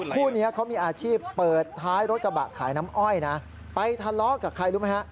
สุดท้ายรถกระบะขายน้ำอ้อยไปทะเลาะกับใครรู้ไหมฮะ